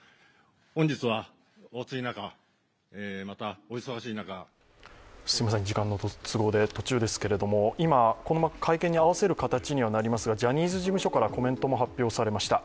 本日はお暑い中、またお忙しい中時間の都合で途中ですけれども、今、会見に合わせる形になりましたがジャニーズ事務所からコメントも発表されました。